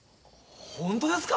本当ですか！